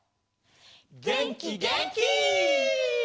げんきげんき！